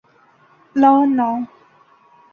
Law no.